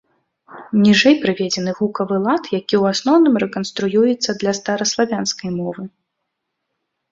Ніжэй прыведзены гукавы лад, які ў асноўным рэканструюецца для стараславянскай мовы.